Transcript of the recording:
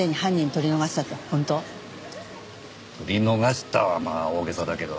取り逃したはまあ大げさだけど。